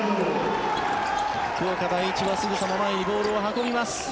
福岡第一はすぐさまボールを前に運びます。